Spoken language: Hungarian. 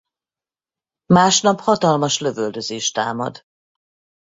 Másnap hatalmas lövöldözés támad.